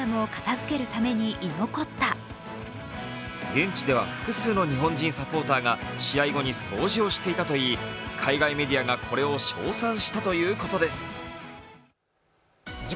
現地では複数の日本人サポーターが試合後に掃除をしていたといい、海外メディアがこれを称賛したということです。